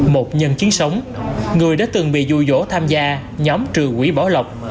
một nhân chiến sống người đã từng bị vui vỗ tham gia nhóm trừ quỷ bảo lộc